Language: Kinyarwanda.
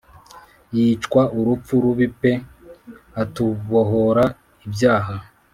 Yicwa urupfu rubi pe atubohora ibyaha